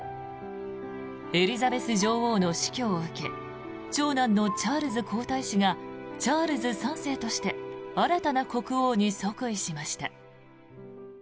エリザベス女王の死去を受け長男のチャールズ皇太子がチャールズ３世として新たな国王に即位しました。